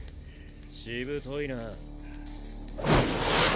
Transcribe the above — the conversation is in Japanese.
しぶといな。